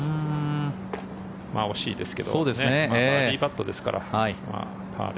惜しいですけどバーディーパットですからパーで。